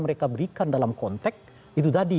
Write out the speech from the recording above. mereka berikan dalam konteks itu tadi